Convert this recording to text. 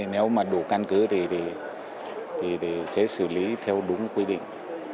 nếu mà đủ căn cứ thì sẽ xử lý theo đúng quy định